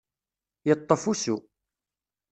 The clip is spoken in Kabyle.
Yeṭṭef usu.